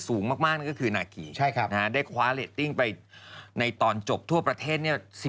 สูงมากนั่นก็คือนาคีได้คว้าเรตติ้งไปในตอนจบทั่วประเทศ